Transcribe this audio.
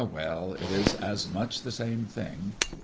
well; it is much the same thing.